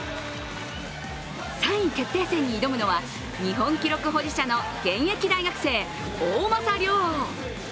３位決定戦に挑むのは日本記録保持者の現役大学生、大政涼。